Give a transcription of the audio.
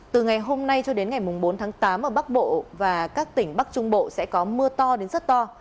từ ngày hôm nay cho đến ngày bốn tháng tám ở bắc bộ và các tỉnh bắc trung bộ sẽ có mưa to đến rất to